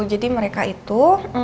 jadi mereka itu